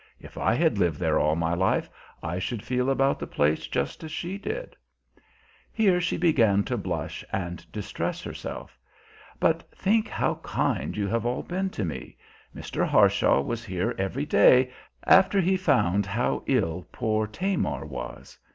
If I had lived there all my life, I should feel about the place just as she did. Here she began to blush and distress herself. "But think how kind you have all been to me! Mr. Harshaw was here every day, after he found how ill poor Tamar was.